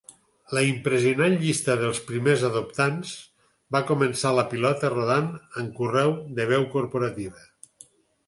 La impressionant llista dels primers adoptants va començar la pilota rodant en correu de veu corporativa.